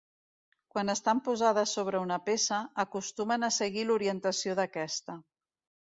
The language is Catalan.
Quan estan posades sobre una peça, acostumen a seguir l'orientació d'aquesta.